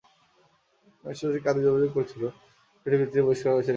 Match শেষেই কাদিজ অভিযোগ করেছিল, সেটির ভিত্তিতেই বহিষ্কার করা হয়েছে রিয়ালকে।